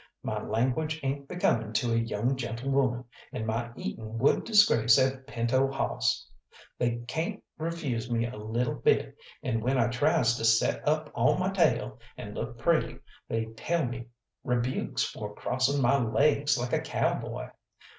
My language ain't becoming to a young gentlewoman, and my eating would disgrace a pinto hawss. They cayn't refawm me a lil' bit, and when I tries to set up on my tail, and look pretty, they tell me rebukes for crossin' my laigs like a cowboy.